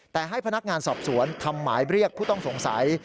แต่ให้พนักงานสอบสวนทำหมายเรียกผู้ต้องสงสัย